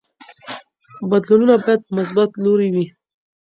بدلونونه باید په مثبت لوري وي.